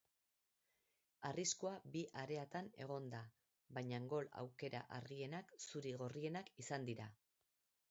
Arriskua bi areatan egon da, baina gol-aukera argienak zuri-gorrienak izan dira.